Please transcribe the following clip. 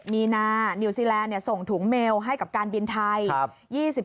มีนานิวซีแลนด์ส่งถุงเมลให้กับการบินไทย